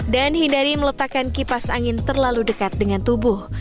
dan hindari meletakkan kipas angin terlalu dekat dengan tubuh